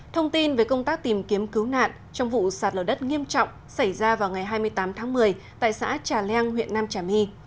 thông tin về công tác tìm kiếm cứu nạn trong vụ sạt lở đất nghiêm trọng xảy ra vào ngày hai mươi tám tháng một mươi tại xã trà leng huyện nam trà my